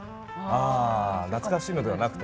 あ懐かしいのではなくて。